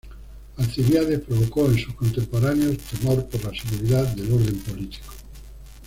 Alcibíades provocó en sus contemporáneos temor por la seguridad del orden político.